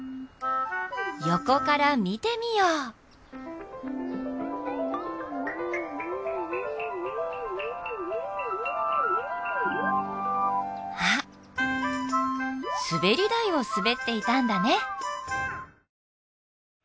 横から見てみようあっすべり台をすべっていたんだね